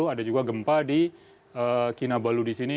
ada juga gempa di kinabalu di sini